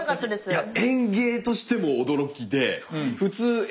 いや。